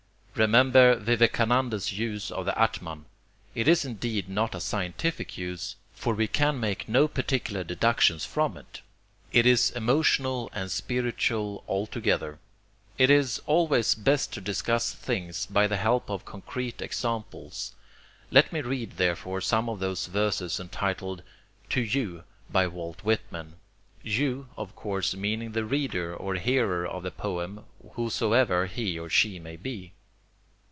Remember Vivekananda's use of the Atman: it is indeed not a scientific use, for we can make no particular deductions from it. It is emotional and spiritual altogether. It is always best to discuss things by the help of concrete examples. Let me read therefore some of those verses entitled "To You" by Walt Whitman "You" of course meaning the reader or hearer of the poem whosoever he or she may be.